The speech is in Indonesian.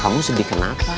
kamu sedih kenapa